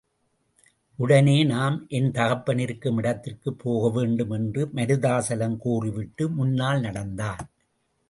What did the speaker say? உடனே நாம் என் தகப்பன் இருக்கும் இடத்திற்குப் போக வேண்டும் என்று மருதாசலம் கூறிவிட்டு முன்னால் நடந்தான்.